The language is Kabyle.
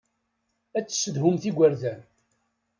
Ad tessedhumt igerdan.